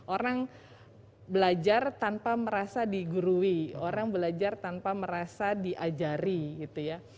orang belajar tanpa merasa digurui orang belajar tanpa merasa diajari gitu ya